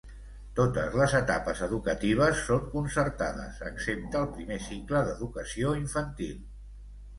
Totes les etapes educatives són concertades excepte el primer cicle d'educació infantil.